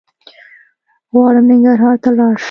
غواړم ننګرهار ته لاړ شم